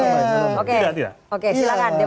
tidak tidak tidak